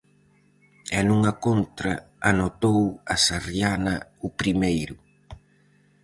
E nunha contra anotou a sarriana o primeiro.